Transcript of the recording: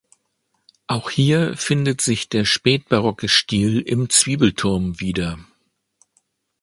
Auch hier findet sich der spätbarocke Stil im Zwiebelturm wieder.